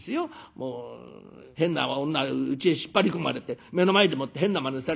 もう変な女うちへ引っ張り込まれて目の前でもって変なまねされりゃ